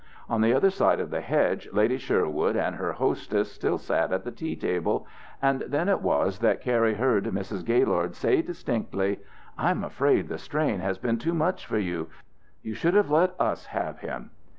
On the other side of the hedge Lady Sherwood and her hostess still sat at the tea table, and then it was that Cary heard Mrs. Gaylord say distinctly, "I'm afraid the strain has been too much for you you should have let us have him."